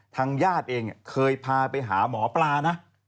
ทางญาติเองเคยพาไปหาหมอปลานะ